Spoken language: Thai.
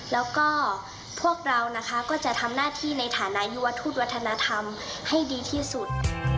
แล้วก็พวกเรานะคะก็จะทำหน้าที่ในฐานะยุวทูตวัฒนธรรมให้ดีที่สุด